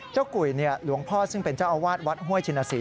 กุยหลวงพ่อซึ่งเป็นเจ้าอาวาสวัดห้วยชินศรี